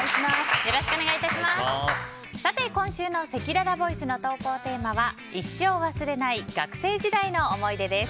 今週のせきららボイスの投稿テーマは一生忘れない学生時代の思い出です。